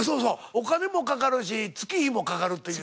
お金もかかるし月日もかかるという。